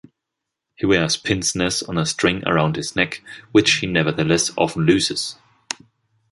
He wears pince-nez on a string around his neck, which he nevertheless often loses.